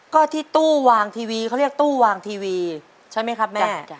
ก็ที่ตู้วางทีวีเขาเรียกตู้วางทีวีใช่ไหมครับแม่